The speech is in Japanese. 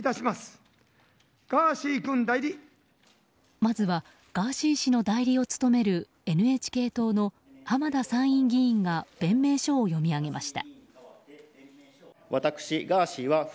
まずはガーシー氏の代理を務めるＮＨＫ党の浜田参院議員が弁明書を読み上げました。